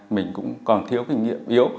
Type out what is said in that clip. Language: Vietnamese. mình cũng còn thiếu kinh nghiệm yếu